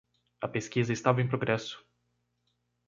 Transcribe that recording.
A pesquisa estava em progresso.